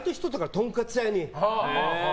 とんかつ屋に。